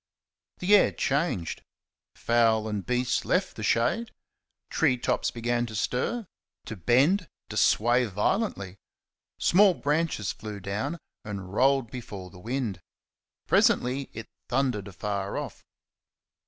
The air changed. Fowl and beast left the shade; tree tops began to stir to bend to sway violently. Small branches flew down and rolled before the wind. Presently it thundered afar off.